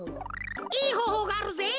いいほうほうがあるぜ！